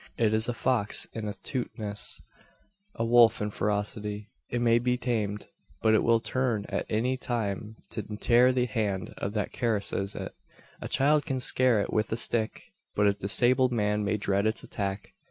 It is a fox in astuteness a wolf in ferocity. It may be tamed, but it will turn at any time to tear the hand that caresses it. A child can scare it with a stick, but a disabled man may dread its attack.